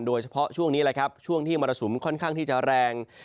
โดยเฉพาะช่วงนี้แหละครับช่วงที่มรสุมค่อนข้างที่จะแรง